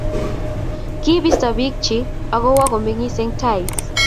kibisto biik chich akowo ko meng'is Eng' Taihis